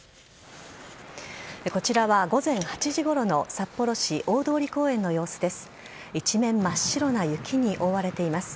こちらは午前８時ごろの札幌市大通公園の様子です。